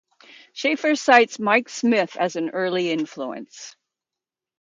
Shaffer cites Mike Smith as an early influence.